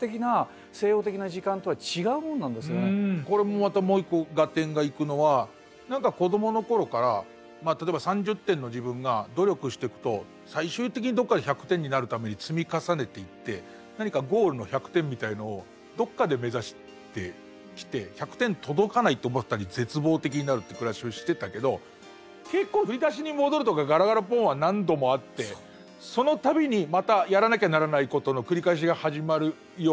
つまりこれもまたもう一個合点がいくのは何か子どもの頃から例えば３０点の自分が努力していくと最終的にどっかで１００点になるために積み重ねていって何かゴールの１００点みたいのをどっかで目指してきて１００点届かないと思ったり絶望的になるって暮らしをしてたけど結構振り出しに戻るとかガラガラポンは何度もあってその度にまたやらなきゃならないことの繰り返しが始まるようなとこ。